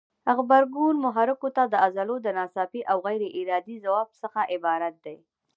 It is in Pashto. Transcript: غبرګون محرکو ته د عضلو له ناڅاپي او غیر ارادي ځواب څخه عبارت دی.